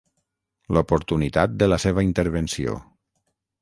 L'oportunitat de la seva intervenció.